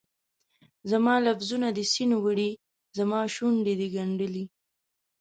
زما لفظونه دي سیند وړي، زماشونډې دي ګنډلي